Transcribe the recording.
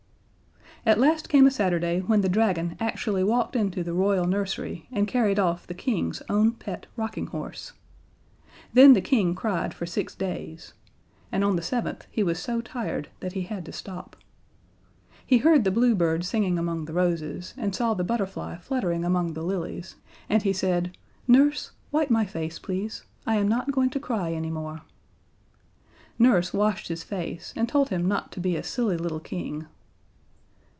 At last came a Saturday when the Dragon actually walked into the Royal nursery and carried off the King's own pet Rocking Horse. Then the King cried for six days, and on the seventh he was so tired that he had to stop. He heard the Blue Bird singing among the roses and saw the Butterfly fluttering among the lilies, and he said: "Nurse, wipe my face, please. I am not going to cry any more." Nurse washed his face, and told him not to be a silly little King.